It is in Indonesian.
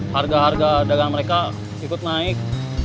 harga harga dagang mereka ikut naik